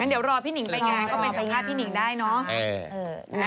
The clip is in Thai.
แม้เดี๋ยวรอพี่นิงไปงานก็มาใช้ผ้าพี่นิงได้เนาะ